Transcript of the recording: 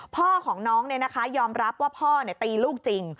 พ่อของน้องยอมรับว่าพ่อตีลูกจริง